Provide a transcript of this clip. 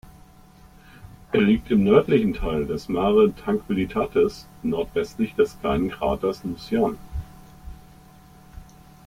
Er liegt im nördlichen Teil des Mare Tranquillitatis, nordwestlich des kleinen Kraters Lucian.